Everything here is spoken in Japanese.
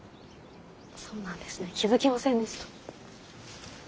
そうなんですね気付きませんでした。